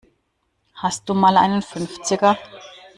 Hast du mal einen Fünfziger?